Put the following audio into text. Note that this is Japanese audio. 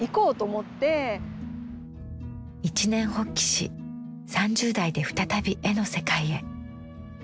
一念発起し３０代で再び絵の世界へ。